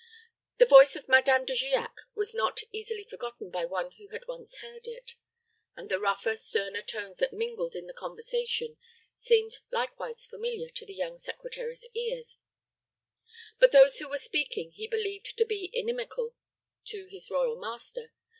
The voice of Madame De Giac was not easily forgotten by one who had once heard it; and the rougher, sterner tones that mingled in the conversation seemed likewise familiar to the young secretary's ear. Both those who were speaking he believed to be inimical to his royal master.